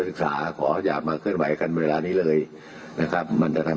มีศาสตราจารย์พิเศษวิชามหาคุณเป็นประเทศด้านกรวมความวิทยาลัยธรม